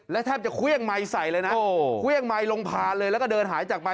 แล้วแทบจะเครื่องไม้ใส่เลยแล้วก็เดินหายจากมัน